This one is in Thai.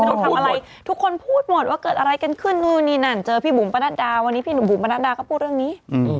ต้องทำอะไรทุกคนพูดหมดว่าเกิดอะไรกันขึ้นนู่นนี่นั่นเจอพี่บุ๋มประนัดดาวันนี้พี่หนุ่มบุ๋มประนัดดาก็พูดเรื่องนี้